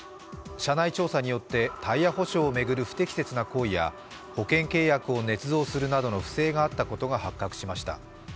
社内調査によってタイヤ保証を巡る不適切な行為や、保険契約をねつ造するなどの不正があったことが発覚しました。